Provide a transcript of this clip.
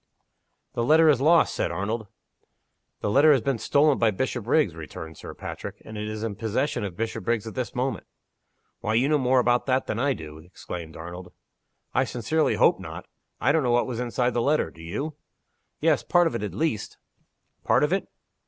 "The letter is lost," said Arnold. "The letter has been stolen by Bishopriggs," returned Sir Patrick, "and is in the possession of Bishopriggs at this moment." "Why, you know more about it than I do!" exclaimed Arnold. "I sincerely hope not. I don't know what was inside the letter. Do you?" "Yes. Part of it at least." "Part of it?"